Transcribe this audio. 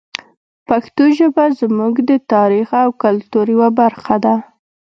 پښتو ژبه زموږ د تاریخ او کلتور یوه برخه ده.